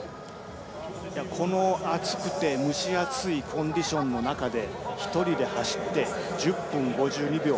この蒸し暑いコンディションの中で１人で走って１０分５２秒。